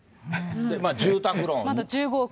住宅ローン。